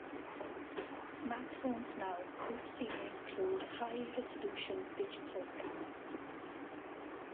Smartphones now routinely include high resolution digital cameras.